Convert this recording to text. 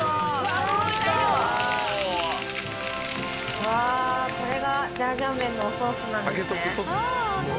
うわこれがジャージャー麺のおソースなんですね。